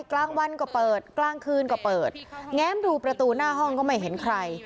กลางวันก็เปิดกลางคืนก็เปิดแง้มดูประตูหน้าห้องก็ไม่เห็นใคร